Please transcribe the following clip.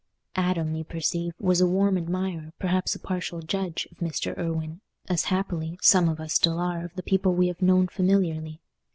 Adam, you perceive, was a warm admirer, perhaps a partial judge, of Mr. Irwine, as, happily, some of us still are of the people we have known familiarly.